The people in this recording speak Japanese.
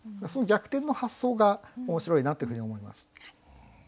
その逆転の発想が面白いなというふうに思います。